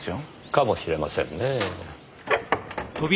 かもしれませんねえ。